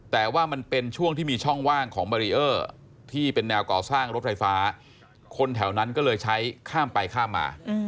แต่ว่ามันเป็นช่วงที่มีช่องว่างของบารีเออร์ที่เป็นแนวก่อสร้างรถไฟฟ้าคนแถวนั้นก็เลยใช้ข้ามไปข้ามมา